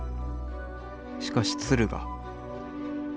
しかし鶴が」。